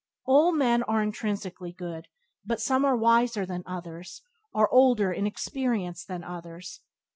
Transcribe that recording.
All men are intrinsically good, but some are wiser than others, are older in experience than others.